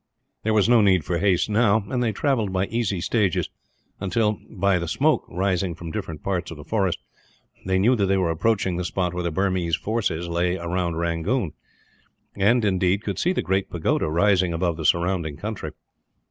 There was no need for haste, now, and they travelled by easy stages until, by the smoke rising from different parts of the forest, they knew that they were approaching the spot where the Burmese forces lay around Rangoon and, indeed, could see the great pagoda rising above the surrounding country.